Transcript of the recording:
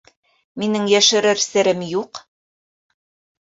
Минең йәшерер серем юҡ.